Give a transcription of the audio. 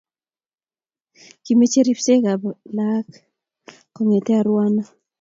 kimechei ripseekab laak gokete arawanoo